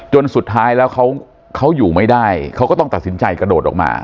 สุดท้ายแล้วเขาอยู่ไม่ได้เขาก็ต้องตัดสินใจกระโดดออกมา